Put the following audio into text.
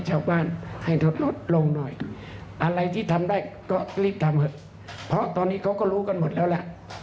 ชาวบ้านให้รถลดลงหน่อยอะไรที่ทำได้ก็รีบทำเถอะเพราะตอนนี้เขาก็รู้กันหมดแล้วแหละ